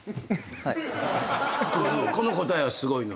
この答えはすごいね。